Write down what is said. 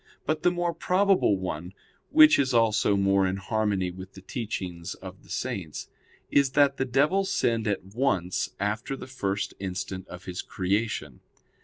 But the more probable one, which is also more in harmony with the teachings of the Saints, is that the devil sinned at once after the first instant of his creation.